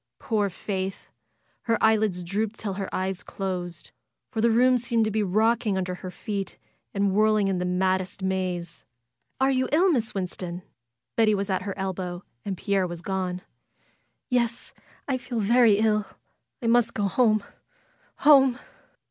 Poor Faith! Her lids dropped till her eyes closed, for the room seemed to be rocking under her feet and whirling in the maddest maze. FAITH ^^Are you ill. Miss Winston?'' Betty was at her elbow, and Pierre was gone. '^Yesl I feel very ill. I must go home. Home!"